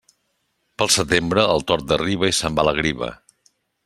Pel setembre, el tord arriba i se'n va la griva.